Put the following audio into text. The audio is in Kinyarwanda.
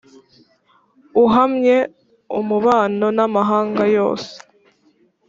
Uhamye umubano n'amahanga yose